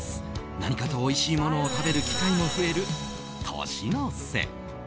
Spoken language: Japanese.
何かとおいしいものを食べる機会も増える年の瀬。